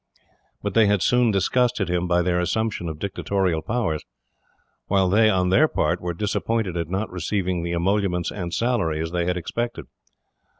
But they had soon disgusted him by their assumption of dictatorial powers; while they, on their part, were disappointed at not receiving the emoluments and salaries they had expected.